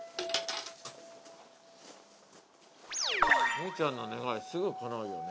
望結ちゃんの願いすぐかなうよね。